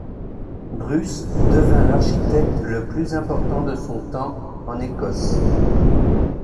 Bruce devint l'architecte le plus important de son temps en Écosse.